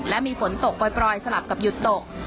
และมีฝนตกปล่อยสลับกับหยุดตก